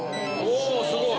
おすごい。